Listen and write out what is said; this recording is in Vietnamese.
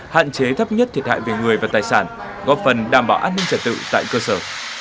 hạn chế thấp nhất thiệt hại về người và tài sản góp phần đảm bảo an ninh trật tự tại cơ sở